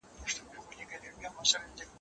هر څه لاپي چي یې کړي وې پښېمان سو